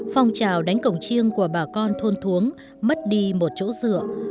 phong trào đánh cổng chiêng của bà con thôn thung mất đi một chỗ dựa